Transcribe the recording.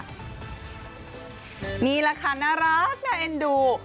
นี่แหละค่ะน่ารักน่าเอ็นดู